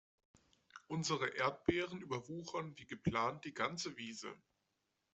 Unsere Erdbeeren überwuchern wie geplant die ganze Wiese.